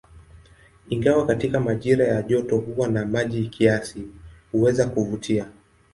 Ingawa katika majira ya joto huwa na maji kiasi, huweza kuvutia.